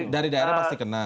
dari daerah pasti kena